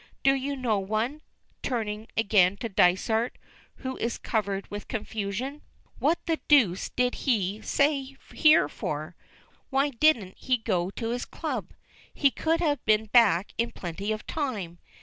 Do you know one?" turning again to Dysart, who is covered with confusion. What the deuce did he stay here for? Why didn't he go to his club? He could have been back in plenty of time.